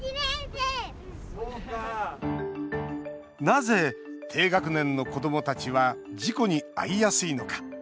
なぜ低学年の子どもたちは事故に遭いやすいのか。